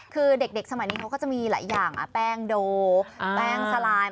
คือเด็กสมัยนี้เขาก็จะมีหลายอย่างแป้งโดแป้งสลาย